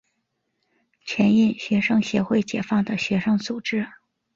全印学生协会解放的学生组织。